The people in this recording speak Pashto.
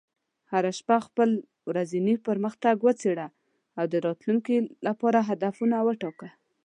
هره شپه خپل ورځنی پرمختګ وڅېړه، او د راتلونکي لپاره هدفونه وټاکه.